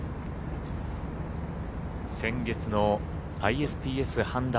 先月のＩＳＰＳハンダ